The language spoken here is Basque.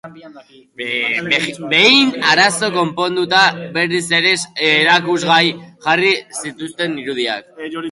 Behin arazoa konponduta berriz ere erakusgai jarri zituzten irudiak.